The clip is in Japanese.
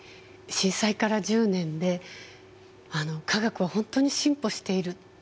震災から１０年で科学は本当に進歩している。